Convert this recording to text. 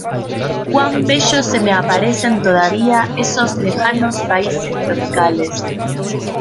¡ cuán bellos se me aparecen todavía esos lejanos países tropicales!